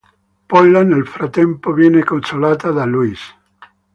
Pola nel frattempo viene consolata da Louis.